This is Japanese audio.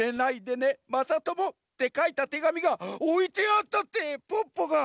まさとも」ってかいたてがみがおいてあったってポッポが！